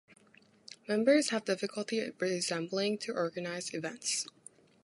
Members have difficulty resembling to organize events.